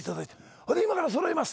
それで今からそろえます。